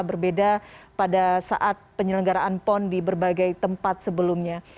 berbeda pada saat penyelenggaraan pon di berbagai tempat sebelumnya